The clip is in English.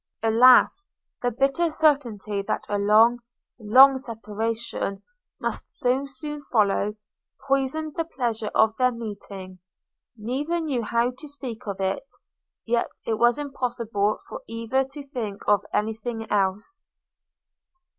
Alas! the bitter certainty that a long, long separation must so soon follow, poisoned the pleasure of their meeting: neither knew how to speak of it, yet it was impossible for either to think of any thing else.